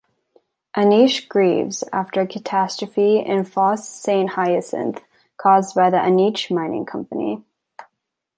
Aniche grieves after a catastrophe in Fosse Saint-Hyacinthe caused by the Aniche Mining Company.